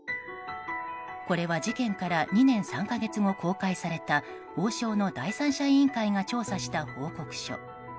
これは、事件から２年３か月後公開された王将の第三者委員会が調査した報告書。